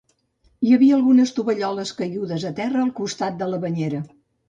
Hi havia algunes tovalloles caigudes a terra al costat de la banyera.